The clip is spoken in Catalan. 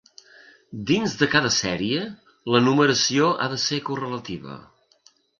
Dins de cada sèrie la numeració ha de ser correlativa.